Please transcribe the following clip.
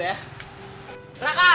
sebenernya bu ya